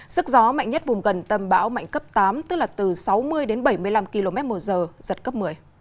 sức gió mạnh nhất vùng gần tâm bão mạnh cấp tám tức là từ sáu mươi đến bảy mươi năm km một giờ giật cấp một mươi